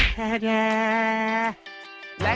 หนัก๑๒๓